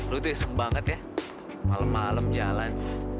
lo tuh iseng banget ya malem malem jalan